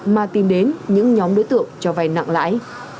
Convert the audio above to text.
mà tìm đến những nhóm đối tượng cho vay nặng lãi